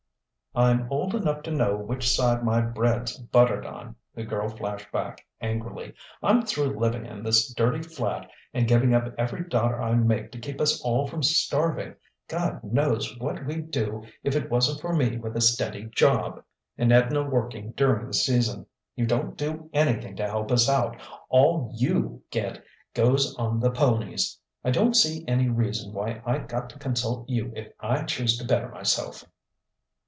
"I'm old enough to know which side my bread's buttered on," the girl flashed back angrily. "I'm through living in this dirty flat and giving up every dollar I make to keep us all from starving. God knows what we'd do if it wasn't for me with a steady job, and Edna working during the season. You don't do anything to help us out: all you get goes on the ponies. I don't see any reason why I got to consult you if I choose to better myself."